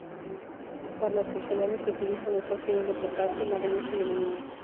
Para las porcelanas se utilizan los óxidos de potasio, magnesio y aluminio.